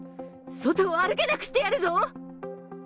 外を歩けなくしてやるぞ！